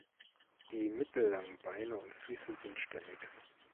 Die mittellangen Beine und Füße sind stämmig.